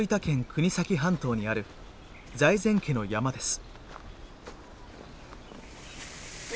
国東半島にある財前家の山です。